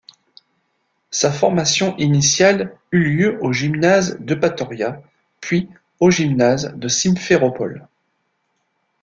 Sa formation initiale eu lieu au gymnase d’Eupatoria, puis au gymnase de Simféropol.